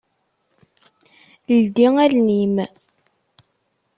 Ldi allen-im!